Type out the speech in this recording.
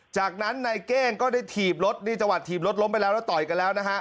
จากนั้นนายเก้งก็ได้ถีบรถนี่จังหวัดถีบรถล้มไปแล้วแล้วต่อยกันแล้วนะฮะ